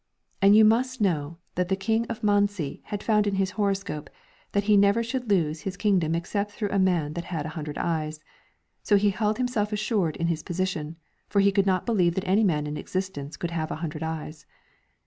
And you must know that the King of Manzi had found in his horoscope that he never should lose his king dom except through a man that had. an hundred eyes; so he held himself assured in his position, for he could not believe that any man in existence could have an hundred eyes.